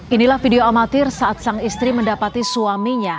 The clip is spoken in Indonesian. inilah video amatir saat sang istri mendapati suaminya